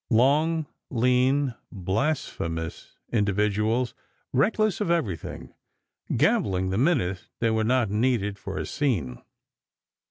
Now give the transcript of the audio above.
Long, lean blasphemous individuals, reckless of everything, gambling the minute they were not needed for a scene.